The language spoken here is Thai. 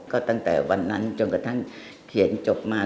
ก็ตั้งแต่วันนั้นจนกระทั่งเขียนจบมา